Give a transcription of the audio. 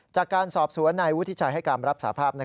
จากการสอบสวนนายวุฒิชัยให้การรับสาภาพ